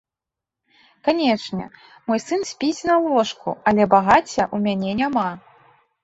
Канечне, мой сын спіць на ложку, але багацця ў мяне няма.